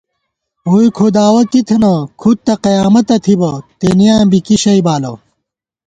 ووئی کھُداوَہ کی تھنہ کھُد تہ قیامَتہ تھِبہ ، تېنېیاں بی کی شئ بالہ